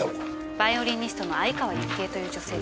バイオリニストの相川雪江という女性です。